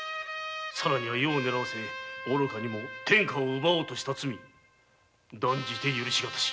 更には余を狙わせ愚かにも天下を奪おうとした罪断じて許し難し。